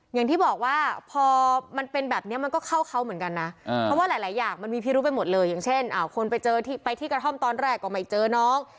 อย่างที่บอกว่าพอมันเป็นแบบนี้มันก็เข้าเขาเหมือนกันนะเพราะว่าหลายอย่างมันมีพิรุธไปหมดเลยอย่างเช่นคนไปเจอไปที่กระท่อมตอนแรกก็ไม่เจอน้อง